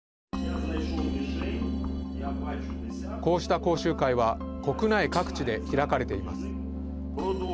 こうした講習会は国内各地で開かれています。